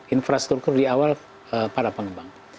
infrastruktur di awal para pengembang